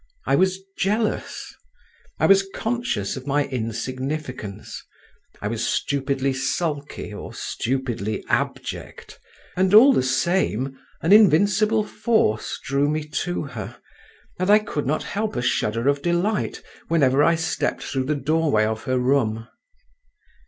I was jealous; I was conscious of my insignificance; I was stupidly sulky or stupidly abject, and, all the same, an invincible force drew me to her, and I could not help a shudder of delight whenever I stepped through the doorway of her room.